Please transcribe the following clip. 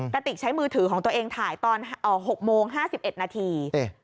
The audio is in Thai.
กระติกใช้มือถือของตัวเองถ่ายตอน๖โมง๕๑นาที